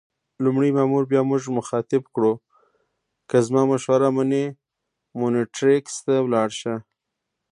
لومړي مامور بیا موږ مخاطب کړو: که زما مشوره منې مونټریکس ته ولاړ شه.